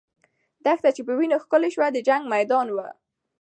دښته چې په وینو ښکلې سوه، د جنګ میدان وو.